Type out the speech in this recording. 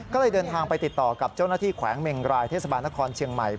ก็เลยเดินทางไปติดต่อกับเจ้าหน้าที่แขวงเมงรายเทศบาลนครเชียงใหม่